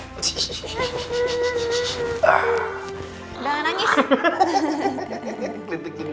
udah jangan nangis